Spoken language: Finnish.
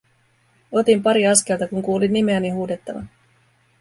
Otin pari askelta, kun kuulin nimeäni huudettavan.